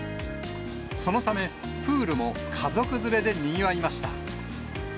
そのため、プールも家族連れでにぎわいました。